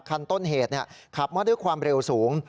คันต้นเหตุขับมาด้วยความเร็วสูง